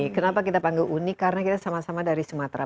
kenapa kita panggil unik karena kita sama sama dari sumatera